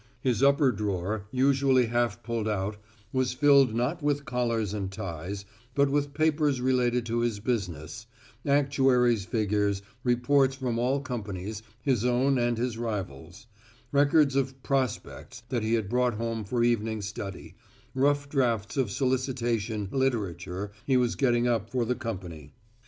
His upper drawer, usually half pulled out, was filled not with collars and ties, but with papers relating to his business; actuaries' figures; reports from all companies, his own and his rivals'; records of "prospects" that he had brought home for evening study; rough drafts of solicitation "literature" he was getting up for the company.